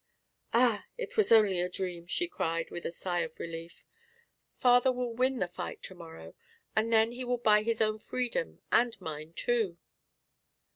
"Ah, it was only a dream!" she cried, with a sigh of relief. "Father will win the fight to morrow, and then he will buy his own freedom and mine, too."